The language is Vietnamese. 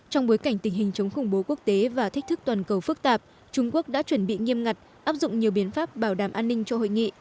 trong bối cảnh tình hình chống khủng bố quốc tế và thách thức toàn cầu phức tạp trung quốc đã chuẩn bị nghiêm ngặt áp dụng nhiều biện pháp bảo đảm an ninh cho hội nghị